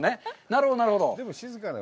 なるほど、なるほど。